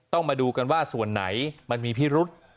มาดูกันว่าส่วนไหนมันมีพิรุษ